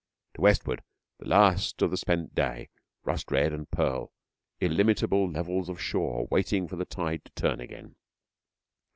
To westward; the last of the spent day rust red and pearl, illimitable levels of shore waiting for the tide to turn again.